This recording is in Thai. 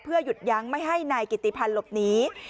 หยุดยั้งไม่ให้นายกิติพันธ์หลบหนี